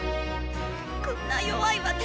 こんな弱い私